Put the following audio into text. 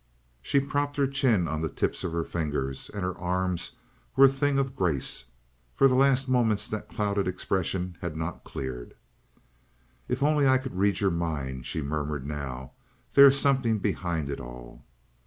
She propped her chin on the tips of her fingers, and her arm was a thing of grace. For the last moments that clouded expression had not cleared. "If I only could read your mind," she murmured now. "There is something behind it all."